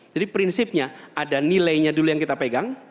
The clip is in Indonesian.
jadi prinsipnya ada nilainya dulu yang kita pegang